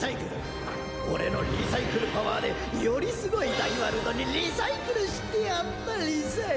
俺のリサイクルパワーでよりすごいダイワルドにリサイクルしてやったリサイクル。